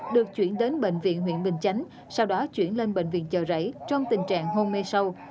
được chuyển đến bệnh viện huyện bình chánh sau đó chuyển lên bệnh viện chờ rảy trong tình trạng hôn mê sâu